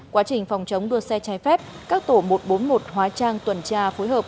quá trình phòng chống đua xe trái phép các tổ một trăm bốn mươi một hóa trang tuần tra phối hợp